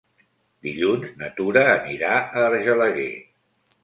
Dilluns na Tura anirà a Argelaguer.